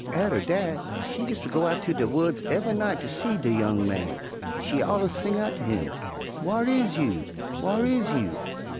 Atter dat she useter go out ter de woods ev'y night ter see de young man, an' she alluz sing out ter him, 'Whar is you, whar is you?'